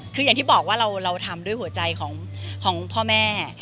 คืออย่างที่บอกว่าเราทำด้วยหัวใจของพ่อแม่